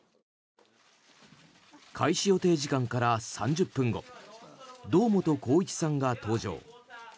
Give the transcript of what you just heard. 開始予定時間から３０分後堂本光一さんが登場。